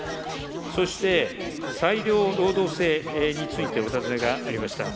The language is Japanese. そして、裁量労働制について、お尋ねがありました。